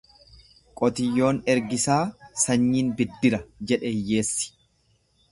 Qotiyyoon ergisaa sanyiin biddira jedhe hiyyeessi.